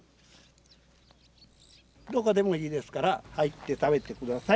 どこでもいいですから入って食べてください。